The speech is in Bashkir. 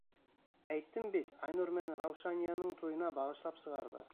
Әйттем бит, Айнур менән Раушанияның туйына бағышлап сығарҙы.